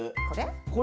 これ？